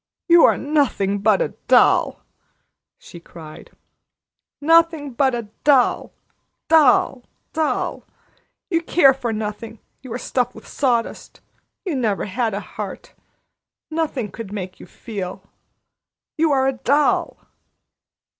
"You are nothing but a doll!" she cried. "Nothing but a doll doll doll! You care for nothing. You are stuffed with sawdust. You never had a heart. Nothing could ever make you feel. You are a doll!"